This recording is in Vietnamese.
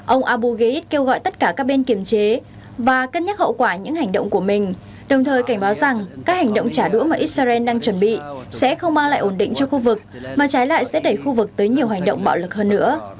ông abu gheid kêu gọi tất cả các bên kiềm chế và cân nhắc hậu quả những hành động của mình đồng thời cảnh báo rằng các hành động trả đũa mà israel đang chuẩn bị sẽ không mang lại ổn định cho khu vực mà trái lại sẽ đẩy khu vực tới nhiều hành động bạo lực hơn nữa